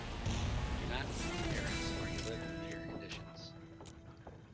Dunant moved to Paris, where he lived in meager conditions.